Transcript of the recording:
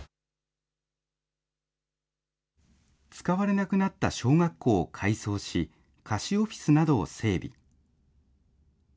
使われなくなった小学校を改装し、貸しオフィスなどを整備。